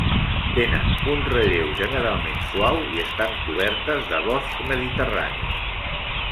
Tenen un relleu generalment suau i estan cobertes de bosc mediterrani.